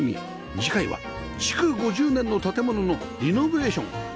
次回は築５０年の建物のリノベーション